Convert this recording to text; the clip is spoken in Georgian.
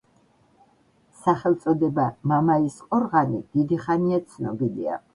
სახელწოდება მამაის ყორღანი დიდი ხანია ცნობილია.